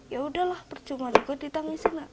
ya udahlah percuma juga ditangisin lah